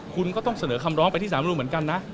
คุณก็ต้องเสนอคำร้องไปที่สารมนุนเหมือนกันนะ